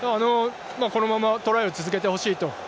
このままトライを続けてほしいと。